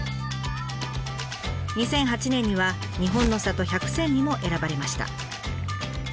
２００８年にはにほんの里１００選にも選ばれました。